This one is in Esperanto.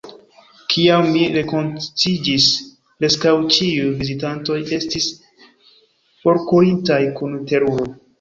Kiam mi rekonsciiĝis, preskaŭ ĉiuj vizitantoj estis forkurintaj kun teruro...